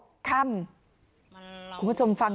หญิงบอกว่าจะเป็นพี่ปวกหญิงบอกว่าจะเป็นพี่ปวก